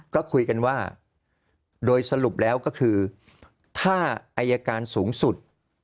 ก็คุยกันว่าโดยสรุปแล้วก็คือถ้าอายการสูงสุด